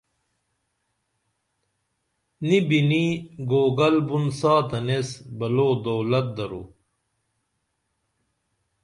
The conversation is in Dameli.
نی بِنیں گوگل بُن ساتن ایس بلو دولت درو